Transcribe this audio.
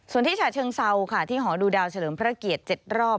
ส่วนที่ฉะเชิงเซาค่ะที่หอดูดาวเฉลิมพระเกียรติ๗รอบ